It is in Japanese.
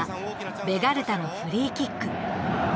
ベガルタのフリーキック。